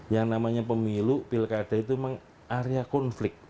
yang namanya pemilu pilkada itu memang area konflik